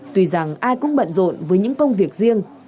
tuy rằng ai cũng bận rộn với những công việc riêng